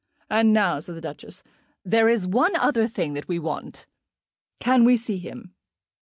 "And now," said the Duchess, "there is one other thing that we want. Can we see him?"